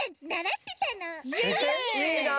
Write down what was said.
いいなあ。